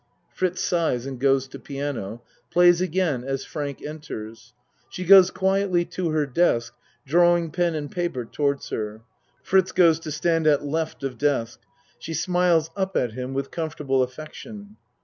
(Fritz sighs and going to piano, plays again as Frank en ters. She goes quietly to her desk drawing pen and paper towards her. Fritz goes to stand at L. of desk. She smiles up at him with comfortable affection.)